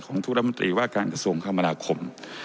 ของทุกรัฐมนตรีว่าการกระทรวงคมนาคม